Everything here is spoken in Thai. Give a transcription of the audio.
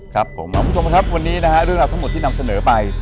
ครับผมคุณผู้ชมครับวันนี้นะฮะเรื่องราวทั้งหมดที่นำเสนอไป